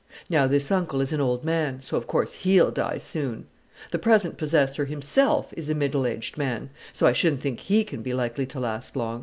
Now, this uncle is an old man: so of course he'll die soon. The present possessor himself is a middle aged man; so I shouldn't think he can be likely to last long.